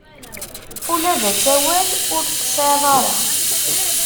Ula d asawal ur t-tesɛid ara.